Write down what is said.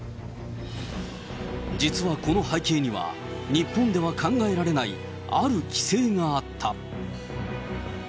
実はこの背景には、日本では考えられないある規制があった。